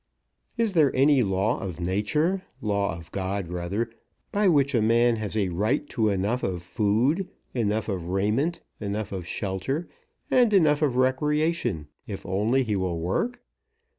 Is there any law of Nature, law of God, rather, by which a man has a right to enough of food, enough of raiment, enough of shelter, and enough of recreation, if only he will work?